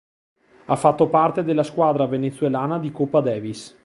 Ha fatto parte della squadra venezuelana di Coppa Davis.